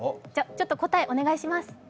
答え、お願いします。